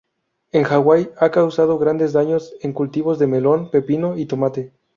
En Hawaii, ha causado grandes daños en cultivos de melón, pepino y tomate.